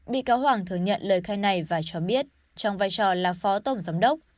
bị cáo hoàng thừa nhận lời khai này và cho biết trong vai trò là phó tổng giám đốc